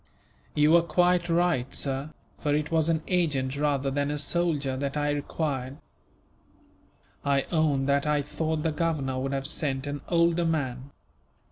"You were quite right, sir, for it was an agent rather than a soldier that I required. I own that I thought the Governor would have sent an older man."